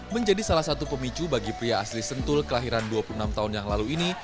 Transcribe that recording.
menjadi salah satu pemicu bagi pria asli sentul kelahiran dua puluh enam tahun yang lalu ini